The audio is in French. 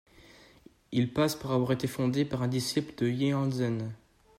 Il passe pour avoir été fondé par un disciple de Jianzhen.